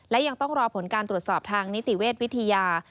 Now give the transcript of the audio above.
และยังต้องรอผลการตรวจสอบทางนิติเวชวิทยา